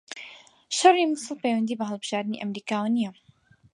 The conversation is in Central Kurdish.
شەڕی موسڵ پەیوەندی بە هەڵبژاردنی ئەمریکاوە نییە